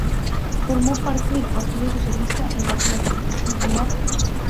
Formó parte del Partido Socialista en la clandestinidad.